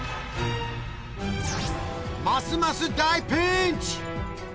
ますます大ピンチ！